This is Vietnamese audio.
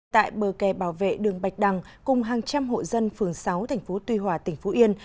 tại bờ kè bảo vệ đường bạch đằng cùng hàng trăm hộ dân phường sáu tp tuy hòa tỉnh phú yên